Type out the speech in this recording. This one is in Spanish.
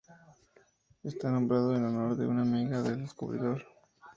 Está nombrado en honor de una amiga del descubridor.